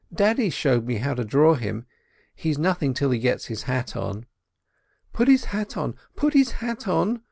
Daddy showed me how to draw him; he's nothing till he gets his hat on." "Put his hat on, put his hat on!"